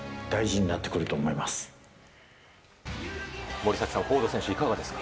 森崎さんフォード選手、いかがですか。